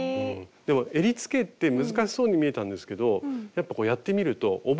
でもえりつけって難しそうに見えたんですけどやっぱやってみると覚えるとすごく楽しいですね。